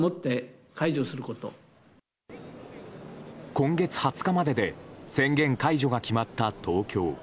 今月２０日までで宣言解除が決まった東京。